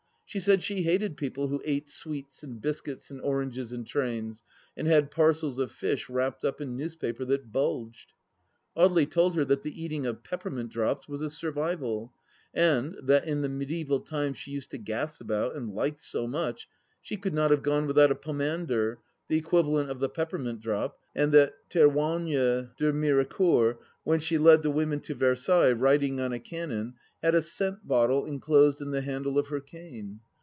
She said she hated people who ate sweets and biscuits and oranges in trains, and had parcels of fish wrapped up in newspaper that bulged. Audely told her that the eating of peppermint drops was a survival, and that, in the mediaeval times she used to gas about and liked so much, she could not have gone without a pomander — ^the equivalent of the peppermint drop — and that Theroigne de Mirecourt, when she led the women to Versailles, riding on a cannon, had a scent bottle enclosed in the handle of her cane.